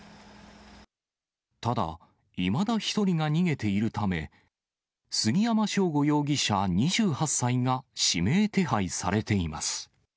ただ、いまだ１人が逃げているため、杉山翔吾容疑者２８歳が指名手配されています。